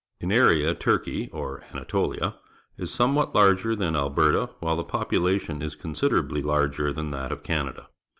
In area Turkey, or Anatolia, is somewhat larger than Mberta, while the population is considerably larger than that of Canada.